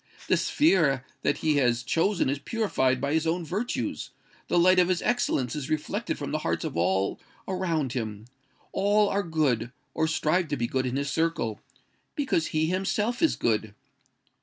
The sphere that he has chosen is purified by his own virtues: the light of his excellence is reflected from the hearts of all around him. All are good, or strive to be good in his circle—because he himself is good.